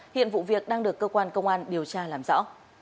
hiện vụ việc đang được cơ quan công an điều tra làm rõ